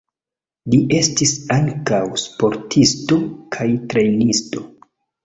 Li estis ankaŭ sportisto kaj trejnisto.